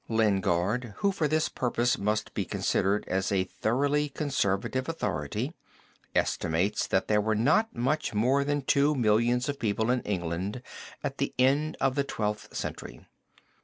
Lingard, who for this purpose must be considered as a thoroughly conservative authority, estimates that there were not much more than two millions of people in England at the end of the Twelfth Century.